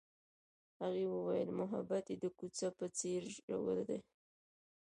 هغې وویل محبت یې د کوڅه په څېر ژور دی.